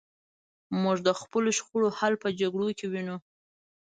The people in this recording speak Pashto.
موږ د خپلو شخړو حل په جګړو کې وینو.